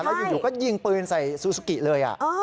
แล้วอยู่ก็ยิงปืนใส่ซูซูกิเลย